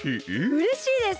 うれしいです！